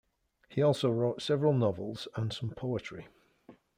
He also wrote several novels and some poetry.